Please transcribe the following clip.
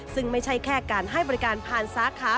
ซึ่งไม่ใช่แค่การให้บริการผ่านสาขา